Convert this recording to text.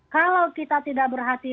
kalau kita tidak memperhatikan